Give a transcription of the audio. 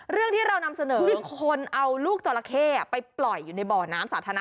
เรื่องที่เรานำเสนอคือคนเอาลูกจราเข้ไปปล่อยอยู่ในบ่อน้ำสาธารณะ